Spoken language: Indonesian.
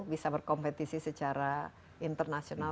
bisa berkompetisi secara internasional